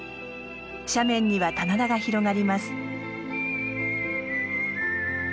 斜面には棚田が広がります。